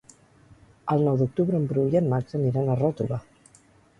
El nou d'octubre en Bru i en Max aniran a Ròtova.